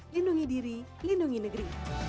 lindungi diri lindungi negeri